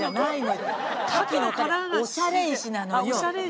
おしゃれ石なのよ。